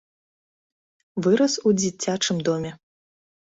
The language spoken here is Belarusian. Вырас у дзіцячым доме.